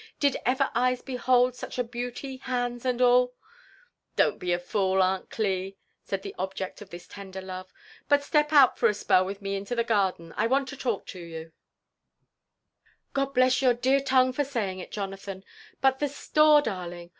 Did ever eyes behold such a beauty, hands and all ?"*' Don't be a fool, Aunt Gli," said the objed of this lender Iove» but step out for a spell with nie into the gardea : I want to talk lo yott." "God Mess your. dear tongue for saying it, Jonathan 1 But the store, darling